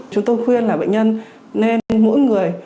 chúng tôi khuyên là bệnh nhân nên mỗi người